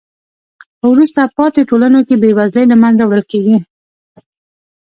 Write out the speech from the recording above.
په وروسته پاتې ټولنو کې بې وزلۍ له منځه وړل کیږي.